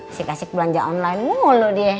asik asik belanja online mulu dia